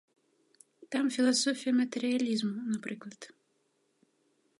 Там філасофія матэрыялізму, напрыклад.